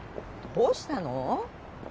どうしたの？